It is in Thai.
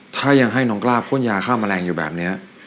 ถ้ายังให้น้องกล้าพ่นยาฆ่าแมลงอยู่แบบนี้